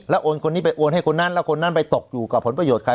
โอนคนนี้ไปโอนให้คนนั้นแล้วคนนั้นไปตกอยู่กับผลประโยชน์ใคร